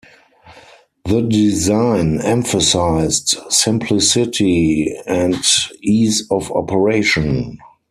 The design emphasized simplicity and ease of operation.